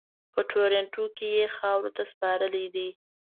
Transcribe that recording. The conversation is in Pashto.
په ټورنټو کې یې خاورو ته سپارلی دی.